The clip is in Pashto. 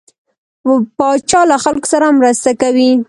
پاچا له خلکو سره مرسته کوي.